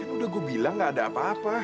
udah gue bilang gak ada apa apa